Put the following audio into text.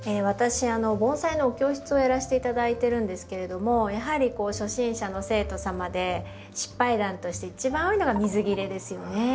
私盆栽のお教室をやらせて頂いてるんですけれどもやはり初心者の生徒様で失敗談として一番多いのが水切れですよね。